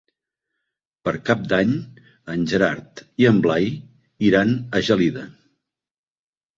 Per Cap d'Any en Gerard i en Blai iran a Gelida.